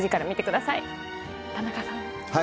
田中さん。